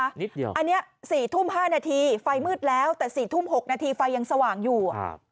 อันนี้๔ทุ่ม๕นาทีไฟมืดแล้วแต่๔ทุ่ม๖นาทีไฟยังสว่างอยู่